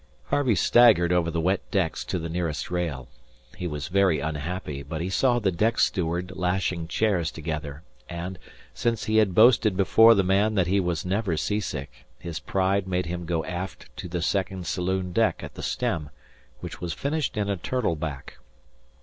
Harvey staggered over the wet decks to the nearest rail. He was very unhappy; but he saw the deck steward lashing chairs together, and, since he had boasted before the man that he was never seasick, his pride made him go aft to the second saloon deck at the stern, which was finished in a turtle back.